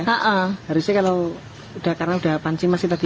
harusnya kalau udah pancing masih tadi